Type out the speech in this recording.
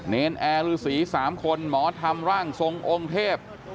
เนรนแอร์ฤษี๓คนหมอทำร่างทรงองค์เทพ